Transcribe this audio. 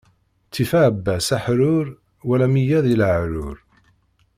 Ttif aɛebbas aḥṛuṛ, wala meyya di leɛṛuṛ.